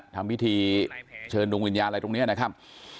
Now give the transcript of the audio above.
ทำพิธีเชิญดวงวิญญาณอะไรตรงนี้นะครับ